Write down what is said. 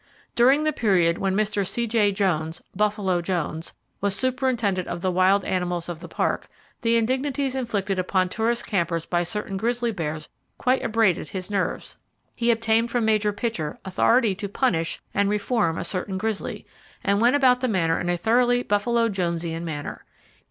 During the period when Mr. C.J. Jones ("Buffalo" Jones) was superintendent of the wild animals of the Park, the indignities inflicted upon tourist campers by certain grizzly bears quite abraded his nerves. He obtained from Major Pitcher authority to punish and reform a certain grizzly, and went about the matter in a thoroughly Buffalo Jonesian manner.